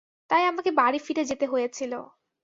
তাই আমাকে বাড়ি ফিরে যেতে হয়েছিলো।